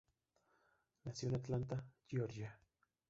Nació en Atlanta, Georgia.